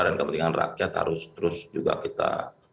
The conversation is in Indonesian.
dan kepentingan rakyat harus terus juga kita